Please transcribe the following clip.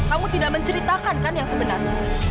kamu tidak menceritakan kan yang sebenarnya